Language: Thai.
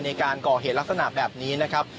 ในการก่อเหตุลักษณะแบบนี้นะครับ